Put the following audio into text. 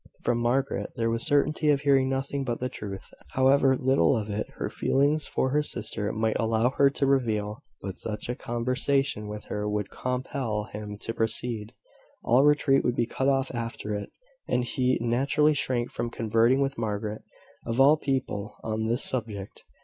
From Margaret there was certainty of hearing nothing but the truth, however little of it her feelings for her sister might allow her to reveal; but such a conversation with her would compel him to proceed: all retreat would be cut off after it; and he naturally shrank from conversing with Margaret, of all people, on this subject.